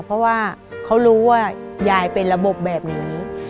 เพราะว่าเขารู้ว่ายายเป็นระบบแบบนี้